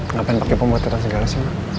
ngapain pake pemotretan segala sih mak